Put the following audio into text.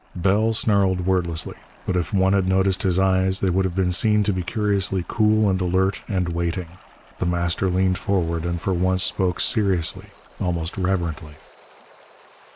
Bell snarled wordlessly, but if one had noticed his eyes they would have been seen to be curiously cool and alert and waiting. The Master leaned forward, and for once spoke seriously, almost reverently.